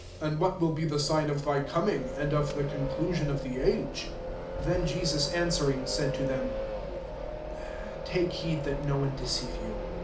and what will be the sign of thy coming, and of the conclusion of the age ?" 4 Then Jesus answering, said to them, "Take heed that no one deceive you.